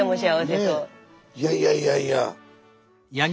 いやいやいやいや。